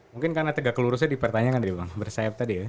mungkin karena tegak lurusnya dipertanyakan dari bang bersayap tadi ya